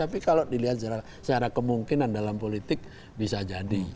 tapi kalau dilihat secara kemungkinan dalam politik bisa jadi